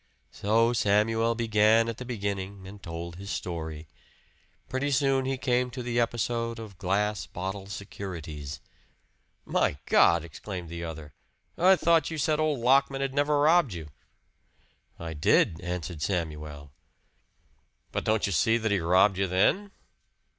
So Samuel began at the beginning and told his story. Pretty soon he came to the episode of "Glass Bottle Securities." "My God!" exclaimed the other. "I thought you said old Lockman had never robbed you!" "I did," answered Samuel. "But don't you see that he robbed you then?"